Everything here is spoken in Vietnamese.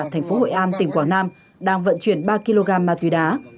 thành phố hội an tỉnh quảng nam đang vận chuyển ba kg ma túy đá